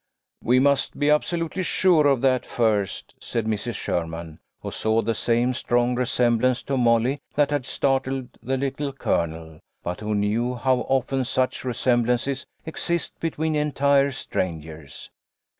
" We must be absolutely sure of that first," said Mrs. Sherman, who saw the same strong resemblance to Molly that had startled the Little Colonel, but who knew how often such resemblances exist between entire strangers.